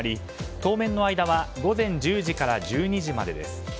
当面の間は午前１０時から１２時までです。